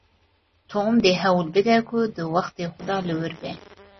Tom dê hewl bide ku di wextê xwe de li wir be.